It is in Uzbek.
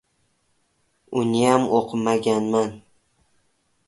Uniyam oʻqimaganman.